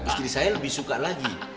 istri saya lebih suka lagi